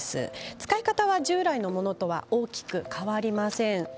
使い方は従来のものとは大きく変わりません。